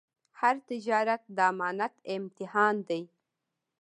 هر تجارت د امانت امتحان دی.